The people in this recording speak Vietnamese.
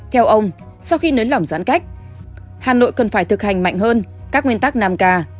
theo ông sau khi nới lỏng giãn cách hà nội cần phải thực hành mạnh hơn các nguyên tắc nam ca